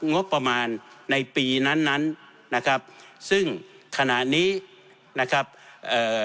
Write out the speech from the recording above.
งบประมาณในปีนั้นนั้นนะครับซึ่งขณะนี้นะครับเอ่อ